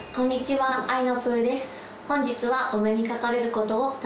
はい。